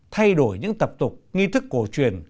thay đổi những tập tục nghi thức cổ truyền